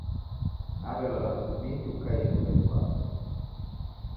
Naw'elola mdumiki ukaie nyumbenyi kwapo.